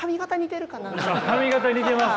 髪形似てます？